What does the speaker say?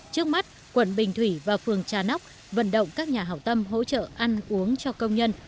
trước mắt quận bình thủy và phường trà nóc vận động các nhà hảo tâm hỗ trợ ăn uống cho công nhân